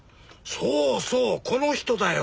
そうそうこの人だよ。